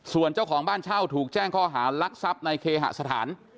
ส่วนเจ้าของบ้านเช่าถูกแจ้งข้อหารักทรัพย์ในเคหสถาน